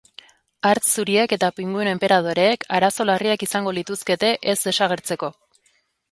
Hartz zuriek eta pinguino enperadoreek arazo larriak izango lituzkete ez desagertzeko.